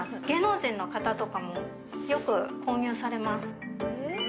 芸能人の方とかも、よく購入されます。